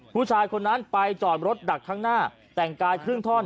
ผู้ชายคนนั้นไปจอดรถดักข้างหน้าแต่งกายครึ่งท่อน